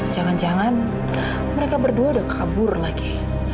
jangan jangan mereka berdua udah kabur lagi